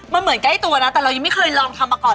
มันเหมือนใกล้ตัวนะแต่เรายังไม่เคยลองทำมาก่อน